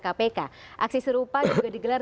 kpk aksi serupa juga digelar